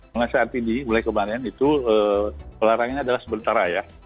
pengasiat ini mulai kemarin itu pelarangannya adalah sementara ya